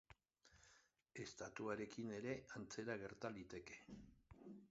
Estatuarekin ere antzera gerta liteke.